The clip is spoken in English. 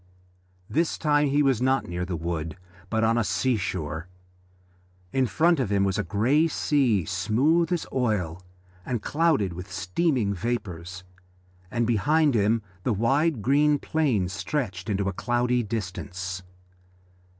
This time he was not near the wood, but on the sea shore. In front of him was a grey sea, smooth as oil and clouded with steaming vapours, and behind him the wide green plain stretched into a cloudy distance.